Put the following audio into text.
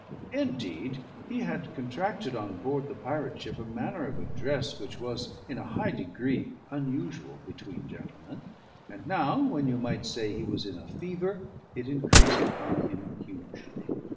Indeed, he had contracted on board the pirate ship a manner of address which was in a high degree unusual between gentlemen; and now, when you might say he was in a fever, it increased upon him hugely.